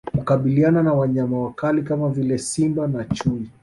Kukabiliana na Wanyama wakali kama vile Simba na Chui